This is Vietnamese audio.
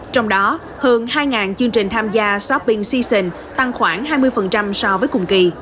trong đó hơn hai chương trình tham gia shopping cition tăng khoảng hai mươi so với cùng kỳ